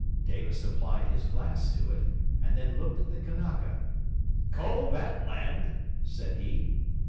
Davis applied his glass to it, and then looked at the Kanaka. 'Call that land?' said he.